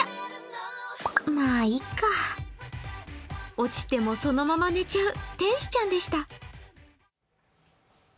落ちてもそのまま寝ちゃう天使ちゃんでした。